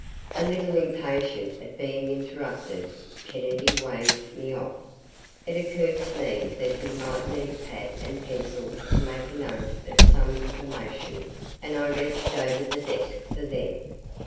A little impatient at being interrupted, Kennedy waved me off. It occurred to me that he might need a pad and pencil to make a note of some information and I reached over the desk for them.